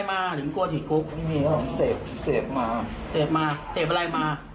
เศษมาเม็ดเดียว